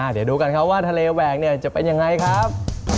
เดี๋ยวดูกันครับว่าทะเลแหวกจะเป็นยังไงครับ